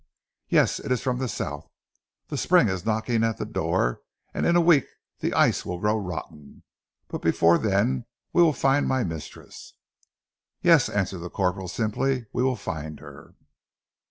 "Yes. It is from the south. The spring is knocking at the door, and in a week the ice will grow rotten, but before then we will find my mistress!" "Yes," answered the corporal simply. "We will find her."